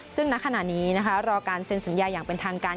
ซึ่งณขณะนี้นะคะรอการเซ็นสัญญาอย่างเป็นทางการ